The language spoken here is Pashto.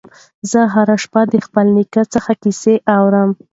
زه هره شپه د خپل نیکه څخه کیسې اورم.